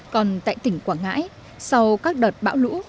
còn tại tỉnh quảng ngãi sau các đợt bão lũ